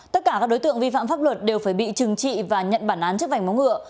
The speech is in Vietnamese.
tất cả các đối tượng vi phạm pháp luật đều phải bị trừng trị và nhận bản án trước vảnh móng ngựa